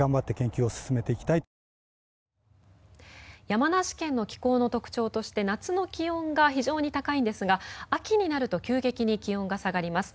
山梨県の気候の特徴として夏の気温が非常に高いんですが秋になると急激に気温が下がります。